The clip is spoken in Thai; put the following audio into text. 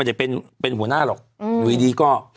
ไม่ได้เป็นหัวหน้าหรอก